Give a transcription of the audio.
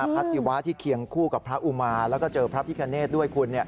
พระศิวะที่เคียงคู่กับพระอุมาแล้วก็เจอพระพิคเนธด้วยคุณ